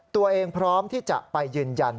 พร้อมที่จะไปยืนยัน